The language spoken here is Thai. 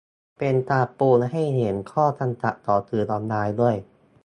เป็นการปูให้เห็นข้อจำกัดของสื่อออนไลน์ด้วย